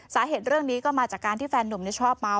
สาเหตุเรื่องนี้ก็มาจากการที่แฟนหนุ่มชอบเมา